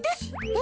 え？